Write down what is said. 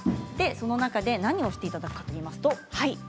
何をしていただくかといいますと。